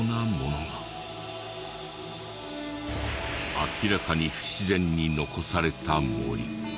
明らかに不自然に残された森。